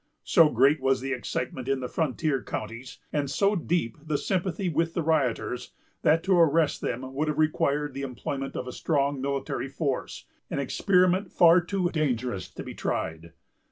So great was the excitement in the frontier counties, and so deep the sympathy with the rioters, that to arrest them would have required the employment of a strong military force, an experiment far too dangerous to be tried.